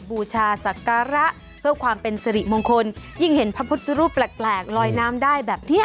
บูชาศักระเพื่อความเป็นสิริมงคลยิ่งเห็นพระพุทธรูปแปลกลอยน้ำได้แบบเนี้ย